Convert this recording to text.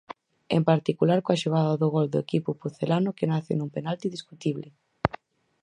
En particular coa xogada do gol do equipo pucelano que nace nun penalti discutible.